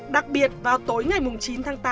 đặc biệt vào tối ngày chín tháng tám